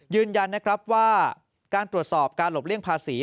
ยืนยันนะครับว่าการตรวจสอบการหลบเลี่ยงภาษี